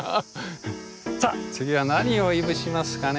さあ次は何をいぶしますかね。